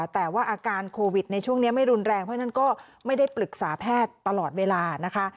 แต่ว่าอาการโควิดในช่วงนี้ไม่รุนแรงเพราะฉะนั้นก็ไม่ได้ปรึกษาแพทย์ตลอดเวลานะคะ